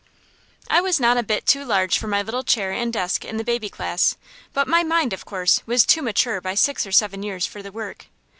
I was not a bit too large for my little chair and desk in the baby class, but my mind, of course, was too mature by six or seven years for the work.